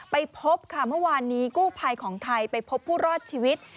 ไปพบค่ะเมื่อวานนี้กู้ภัยของไทยไปพบผู้รอดชีวิต